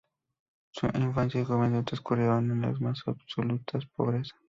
Su infancia y juventud transcurrieron en la más absoluta pobreza.